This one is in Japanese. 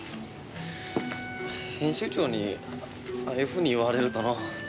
編集長にああいうふうに言われるとのう。